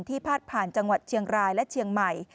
พาดผ่านจังหวัดเชียงรายและเชียงใหม่